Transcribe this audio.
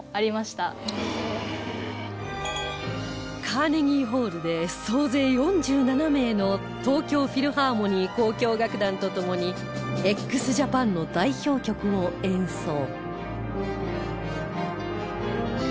カーネギーホールで総勢４７名の東京フィルハーモニー交響楽団と共に ＸＪＡＰＡＮ の代表曲を演奏